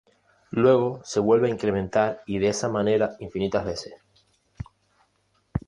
Luego se vuelve a incrementar y de esa manera infinitas veces.